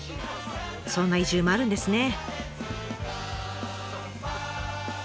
そんな移住もあるんですね。